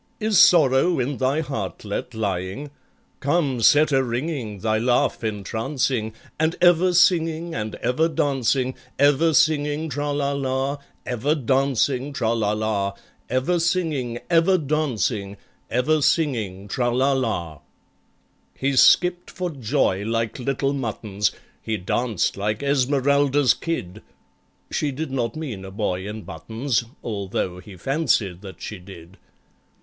Is sorrow in thy heartlet lying? Come, set a ringing Thy laugh entrancing, And ever singing And ever dancing. Ever singing, Tra! la! la! Ever dancing, Tra! la! la! Ever singing, ever dancing, Ever singing, Tra! la! la! He skipped for joy like little muttons, He danced like Esmeralda's kid. (She did not mean a boy in buttons, Although he fancied that she did.)